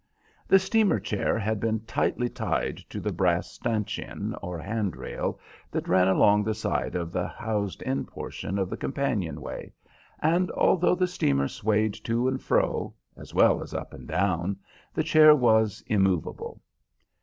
The steamer chair had been tightly tied to the brass stanchion, or hand rail, that ran along the side of the housed in portion of the companion way, and although the steamer swayed to and fro, as well as up and down, the chair was immovable.